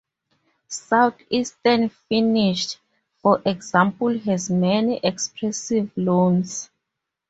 South-eastern Finnish, for example, has many expressive loans.